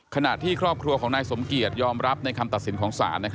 ขณะที่ครอบครัวของนายสมเกียจยอมรับในคำตัดสินของศาล